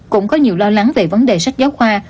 cũng có nhiều lo lắng về vấn đề sách giáo khoa